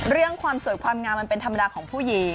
เรื่องความสวยความงามมันเป็นธรรมดาของผู้หญิง